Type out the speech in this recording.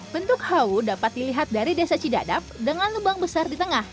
bentuk hau dapat dilihat dari desa cidadap dengan lubang besar di tengah